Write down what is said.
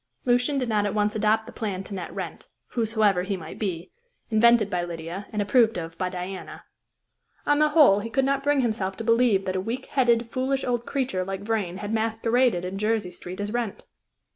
Lucian did not at once adopt the plan to net Wrent whosoever he might be invented by Lydia, and approved of by Diana. On the whole, he could not bring himself to believe that a weak headed, foolish old creature like Vrain had masqueraded in Jersey Street as Wrent.